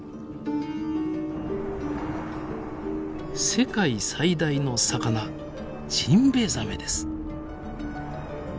世界最大の魚ジンベエザメです！